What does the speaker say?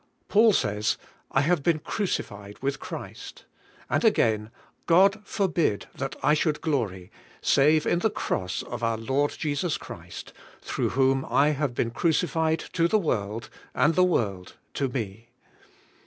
Paul says: "I have been crucified with Christ." And again: "God forbid that I should glory, save in the cross of our Lord Jesus Christ, through whom I have been crucified to the world, and the world to me."